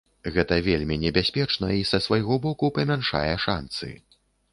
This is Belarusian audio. Гэта вельмі небяспечна, і, са свайго боку, памяншае шанцы.